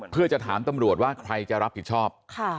เพื่อจะถามตำรวจว่าใครจะรับผิดชอบ